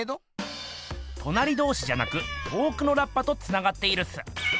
となりどうしじゃなく遠くのラッパとつながっているっす。